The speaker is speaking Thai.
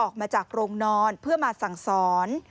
ออกมาจากโรงนอนเพื่อมาสั่งสอน